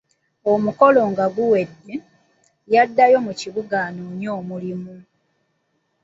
Omukolo nga guwedde, yaddayo mu kibuga anoonye omulimu.